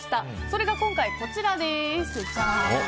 それが今回、こちらです。